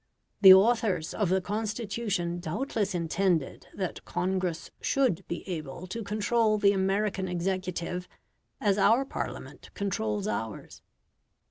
The authors of the Constitution doubtless intended that Congress should be able to control the American executive as our Parliament controls ours.